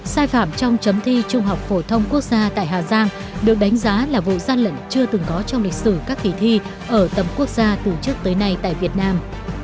sai phạm trong chấm thi trung học phổ thông quốc gia tại hà giang được đánh giá là vụ gian lận chưa từng có trong lịch sử các kỳ thi ở tầm quốc gia từ trước tới nay tại việt nam